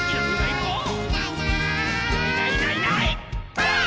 ばあっ！